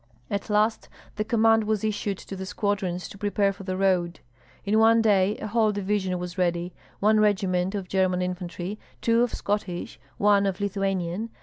At last the command was issued to the squadrons to prepare for the road. In one day a whole division was ready, one regiment of German infantry, two of Scottish, one of Lithuanian.